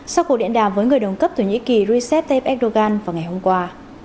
sau cuộc điện đàm với người đồng cấp thổ nhĩ kỳ recep tayyip erdogan vào ngày hôm qua